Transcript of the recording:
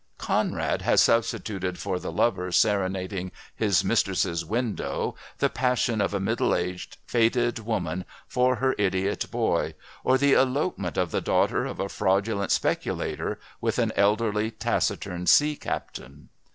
Conrad has substituted for the lover serenading his mistress' window the passion of a middle aged, faded woman for her idiot boy, or the elopement of the daughter of a fraudulent speculator with an elderly, taciturn sea captain.